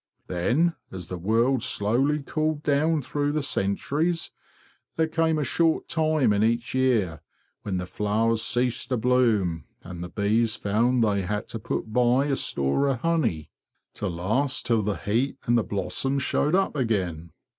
Then, as the world slowly cooled down through the centuries, | there came a short time in each year when the flowers ceased to bloom, and the bees found they had to put by a store of honey, to last till the heat and the blossoms showed up again.